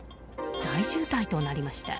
大渋滞となりました。